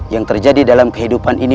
yang terjadi dalam kehidupan ini